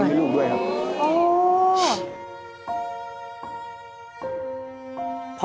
มีลูกด้วยครับ